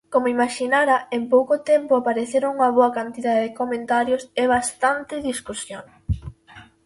Como imaxinara, en pouco tempo apareceron unha boa cantidade de comentarios e bastante discusión.